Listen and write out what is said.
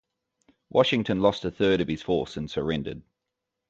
Washington lost a third of his force, and surrendered.